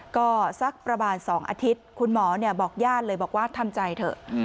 ก็สักประมาณ๒อาทิตย์คุณหมอบอกญาติเลยบอกว่าทำใจเถอะ